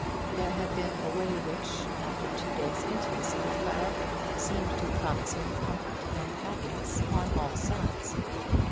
There had been a way which, after two days' intimacy with Clara, seemed to promise him comfort and happiness on all sides.